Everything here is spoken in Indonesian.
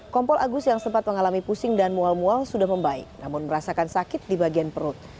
kompol agus yang sempat mengalami pusing dan mual mual sudah membaik namun merasakan sakit di bagian perut